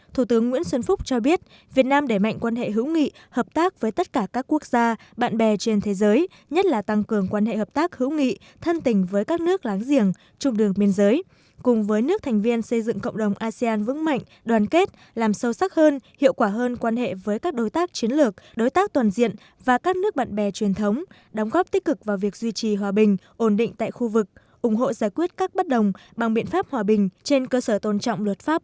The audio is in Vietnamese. thủ tướng nguyễn xuân phúc cho biết việt nam để mạnh quan hệ hữu nghị hợp tác với tất cả các quốc gia bạn bè trên thế giới nhất là tăng cường quan hệ hợp tác hữu nghị thân tình với các nước láng giềng trung đường biên giới cùng với nước thành viên xây dựng cộng đồng asean vững mạnh đoàn kết làm sâu sắc hơn hiệu quả hơn quan hệ với các đối tác chiến lược đối tác toàn diện và các nước bạn bè truyền thống đóng góp tích cực vào việc duy trì hòa bình ổn định tại khu vực ủng hộ giải quyết các bất đồng bằng biện pháp